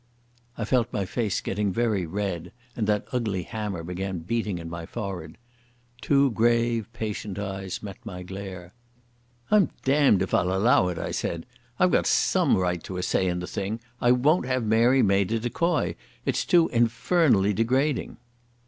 I felt my face getting very red, and that ugly hammer began beating in my forehead. Two grave, patient eyes met my glare. "I'm damned if I'll allow it!" I cried. "I've some right to a say in the thing. I won't have Mary made a decoy. It's too infernally degrading."